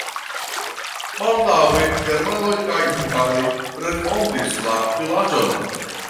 Baldaŭe germanoj kaj hungaroj refondis la vilaĝon.